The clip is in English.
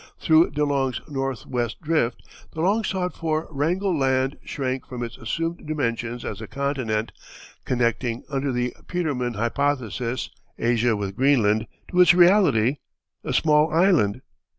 Through De Long's northwest drift the long sought for Wrangel Land shrank from its assumed dimensions as a continent, connecting, under the Petermann hypothesis, Asia with Greenland, to its reality a small island.